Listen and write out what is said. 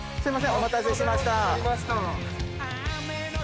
お待たせしました。